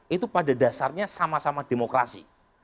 itu pada dasarnya sama sama demokrasi